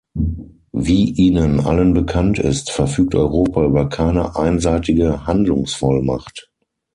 Wie Ihnen allen bekannt ist, verfügt Europa über keine einseitige Handlungsvollmacht.